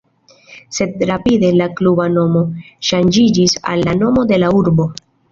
Sed rapide la kluba nomo ŝanĝiĝis al la nomo de la urbo.